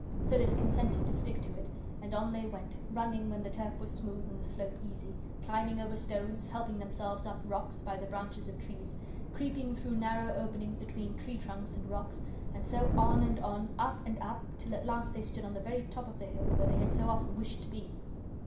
Phyllis consented to stick to it and on they went, running when the turf was smooth and the slope easy, climbing over stones, helping themselves up rocks by the branches of trees, creeping through narrow openings between tree trunks and rocks, and so on and on, up and up, till at last they stood on the very top of the hill where they had so often wished to be.